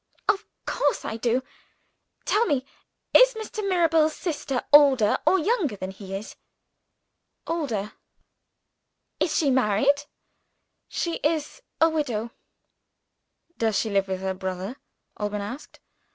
"Of course I do! Tell me is Mr. Mirabel's sister older or younger than he is?" "Older." "Is she married?" "She is a widow." "Does she live with her brother?" Alban asked.